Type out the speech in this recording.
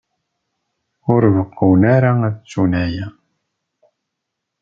Ur beɣɣun ara ad ttun aya.